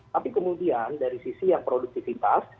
tapi kemudian dari sisi yang produktivitas